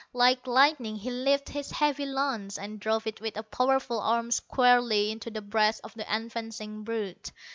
Like lightning he lifted his heavy lance, and drove it with a powerful arm squarely into the breast of the advancing brute.